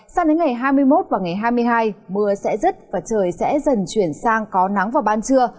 sang đến ngày hai mươi một và ngày hai mươi hai mưa sẽ rứt và trời sẽ dần chuyển sang có nắng vào ban trưa